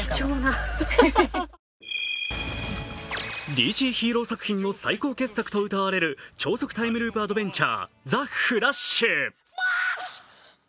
ＤＣヒーロー作品の最高傑作とうたわれる超速タイムループ・アドベンチャー「ザ・フラッシュ」。